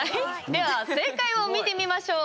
正解を見てみましょう！